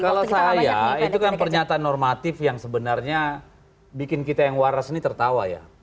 kalau saya itu kan pernyataan normatif yang sebenarnya bikin kita yang waras ini tertawa ya